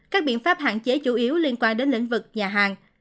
các biện pháp hạn chế chủ yếu liên quan đến lĩnh vực nhà hàng